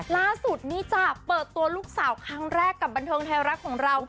ล่าสุดนี่จ้ะเปิดตัวลูกสาวครั้งแรกกับบันเทิงไทยรัฐของเรา